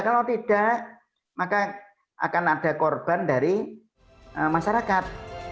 kalau tidak maka akan ada korban dari masyarakat